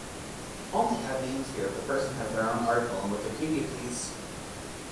Only add names here if the person has their own article on Wikipedia, please.